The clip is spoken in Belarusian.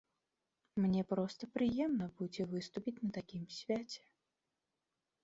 Мне проста прыемна будзе выступіць на такім свяце.